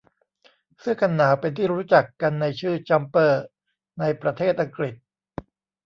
เสื้อกันหนาวเป็นที่รู้จักกันในชื่อ จั๊มเปอร์ ในประเทษอังกฤษ